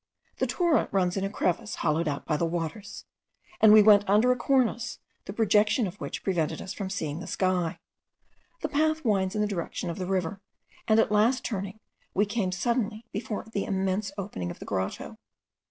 The torrent runs in a crevice hollowed out by the waters, and we went on under a cornice, the projection of which prevented us from seeing the sky. The path winds in the direction of the river; and at the last turning we came suddenly before the immense opening of the grotto.